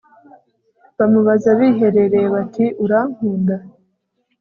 bamubaza biherereye bati urankunda